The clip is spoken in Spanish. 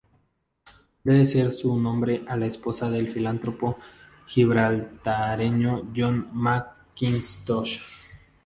Debe su nombre a la esposa del filántropo gibraltareño John Mackintosh.